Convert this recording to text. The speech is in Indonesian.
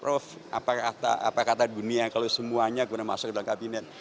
prof apa kata dunia kalau semuanya kemudian masuk ke dalam kabinet